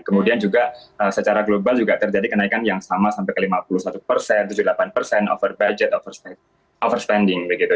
kemudian juga secara global juga terjadi kenaikan yang sama sampai ke lima puluh satu persen tujuh puluh delapan persen over budget overstanding